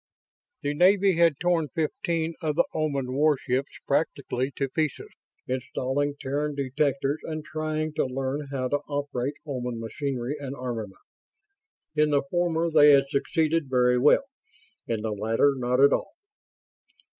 The Navy had torn fifteen of the Oman warships practically to pieces, installing Terran detectors and trying to learn how to operate Oman machinery and armament. In the former they had succeeded very well; in the latter not at all.